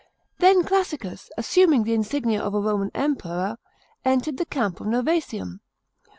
§ 8. Then Classicus, assuming the insignia of a Roman Emperor, entered the camp of Novsesium.